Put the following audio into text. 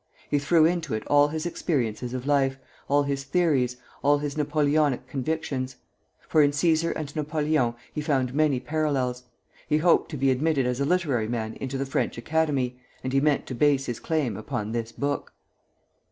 He threw into it all his experience of life, all his theories, all his Napoleonic convictions; for in Cæsar and Napoleon he found many parallels. He hoped to be admitted as a literary man into the French Academy, and he meant to base his claim upon this book.